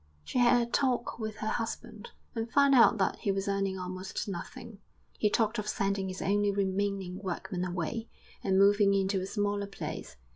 She had a talk with her husband, and found out that he was earning almost nothing. He talked of sending his only remaining workman away and moving into a smaller place.